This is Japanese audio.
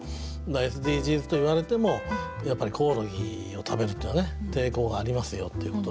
ＳＤＧｓと言われてもやっぱりコオロギを食べるっていうのはね抵抗がありますよっていうことでね。